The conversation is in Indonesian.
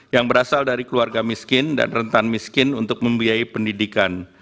yang berasal dari keluarga miskin dan rentan miskin untuk membiayai pendidikan